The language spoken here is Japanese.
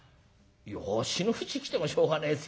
「あっしのうち来てもしょうがねえですよ。